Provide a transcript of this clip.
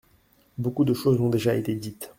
Beaucoup de choses ont déjà été dites.